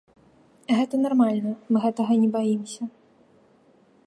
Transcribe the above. Гэта нармальна, мы гэтага не баімся.